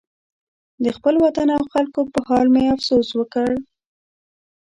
د خپل وطن او خلکو په حال مې افسوس وکړ.